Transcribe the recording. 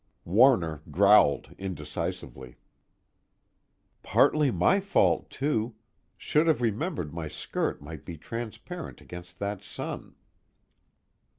Warner growled indecisively. "Partly my fault too should've remembered my skirt might be transparent against that sun."